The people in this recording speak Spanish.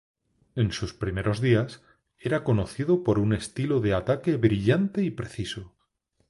En sus primeros días, era conocido por un estilo de ataque brillante y preciso.